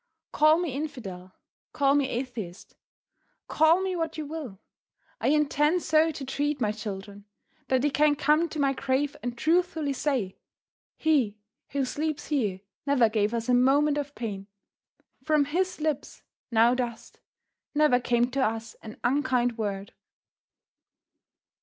Call me infidel, call me atheist, call me what you will, I intend so to treat my children, that they can come to my grave and truthfully say: "He who sleeps here never gave us a moment of pain. From his lips, now dust, never came to us an unkind word."